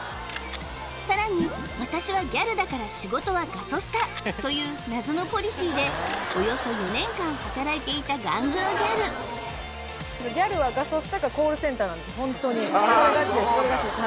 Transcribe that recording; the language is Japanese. さらに「私はギャルだから仕事はガソスタ！」という謎のポリシーでおよそ４年間働いていたガングロギャルホントにこれガチです